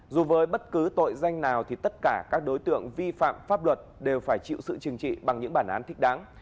dù với bất cứ tội danh nào thì tất cả các đối tượng vi phạm pháp luật đều phải chịu sự chừng trị bằng những bản án thích đáng